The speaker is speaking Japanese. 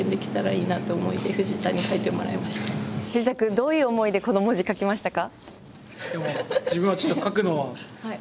どういう思いでこの文字を書きましたか。